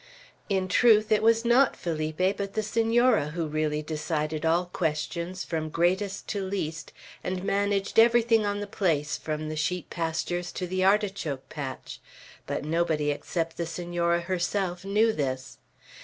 In truth, it was not Felipe, but the Senora, who really decided all questions from greatest to least, and managed everything on the place, from the sheep pastures to the artichoke patch; but nobody except the Senora herself knew this.